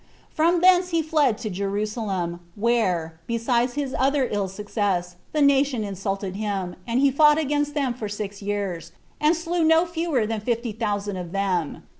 From thence he fled to Jerusalem, where, besides his other ill success, the nation insulted him, and he fought against them for six years, and slew no fewer than fifty thousand of them.